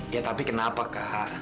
ya tapi kenapa kak